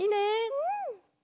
うん！